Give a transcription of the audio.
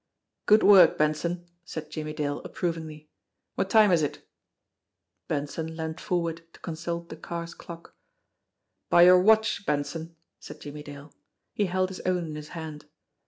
"Good work, Benson !" said Jimmie Dale approvingly. "What time is it?" Benson leaned forward to consult the car's clock. "By your watch, Benson," said Jimmie Dale. He held his own in his hand.